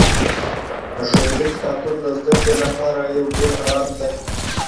د ښوونځي کتابتون د زده کړې لپاره یو ډېر ارام ځای دی.